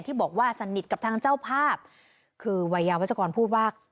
บอกว่าสนิทกับทางเจ้าภาพคือวัยยาวัชกรพูดว่า